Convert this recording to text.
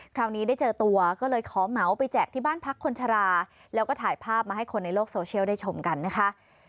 คราวนี้ได้เจอตัวก็เลยขอเหมาไปแจกที่บ้านพักคนชราแล้วก็ถ่ายภาพมาให้คนในโลกโซเชียลได้ชมกันนะคะ